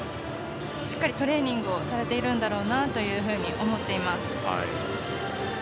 しっかりトレーニングをされているんだろうなと思っています。